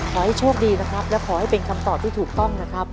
ขอให้โชคดีนะครับและขอให้เป็นคำตอบที่ถูกต้องนะครับ